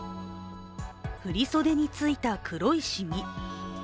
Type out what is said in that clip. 振り袖についた黒いしみ。